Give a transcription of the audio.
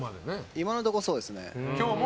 今のところ、そうですね。